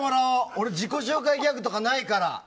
俺、自己紹介ギャグとかないから。